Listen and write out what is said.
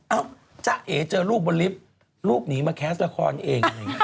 เอ้าเจอลูกบนลิฟต์ลูกหนีมาแคสละครเอง